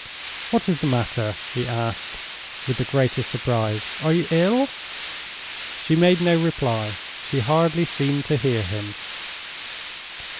"What is the matter?" he asked, with the greatest surprise. "Are you ill?" She made no reply; she hardly seemed to hear him.